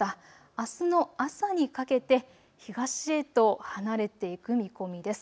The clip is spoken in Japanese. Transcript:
あすの朝にかけて東へと離れていく見込みです。